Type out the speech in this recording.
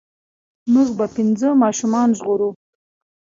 مونږ به پنځه ماشومان ژغورو.